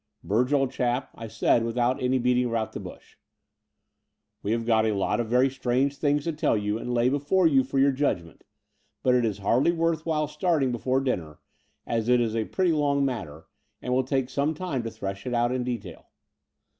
"Burge, old chap," I said without any beating about the bush, we have got a lot of very strange things to tell you and lay before you for your judg ment : but it is hardly worth while starting before dinner, as it is a pretty long matter, and will take some time to thresh out in detail.